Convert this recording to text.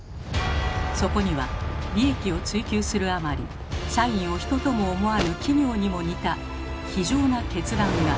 そこには利益を追求するあまり社員を人とも思わぬ企業にも似た非情な決断が。